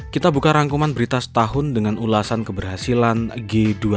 kita buka rangkuman berita setahun dengan ulasan keberhasilan g dua puluh